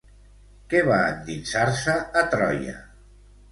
Què va endinsar-se a Troia?